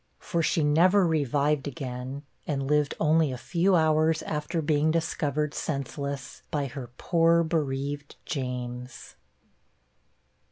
for she never revived again, and lived only a few hours after being discovered senseless by her poor bereaved James.